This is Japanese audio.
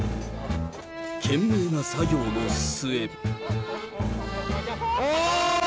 懸命な作業の末。